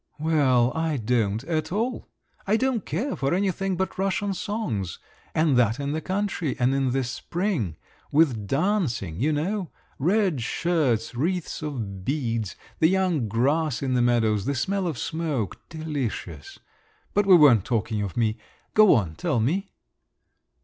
"Well, I don't at all. I don't care for anything but Russian songs—and that in the country and in the spring—with dancing, you know … red shirts, wreaths of beads, the young grass in the meadows, the smell of smoke … delicious! But we weren't talking of me. Go on, tell me."